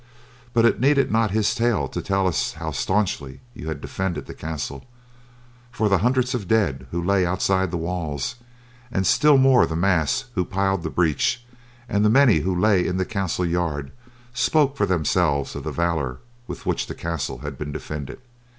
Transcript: But it needed not his tale to tell us how staunchly you had defended the castle, for the hundreds of dead who lay outside of the walls, and still more the mass who piled the breach, and the many who lay in the castle yard spoke for themselves of the valour with which the castle had been defended.